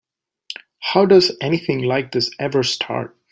How does anything like this ever start?